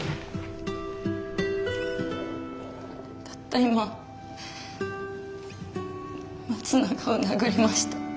たった今松永を殴りました。